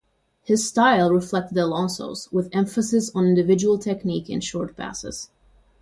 His style reflected Alonso's, with emphasis on individual technique and short passes.